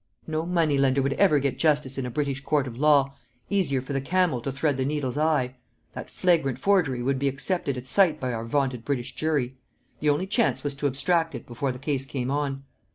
No money lender would ever get justice in a British court of law; easier for the camel to thread the needle's eye. That flagrant forgery would be accepted at sight by our vaunted British jury. The only chance was to abstract it before the case came on.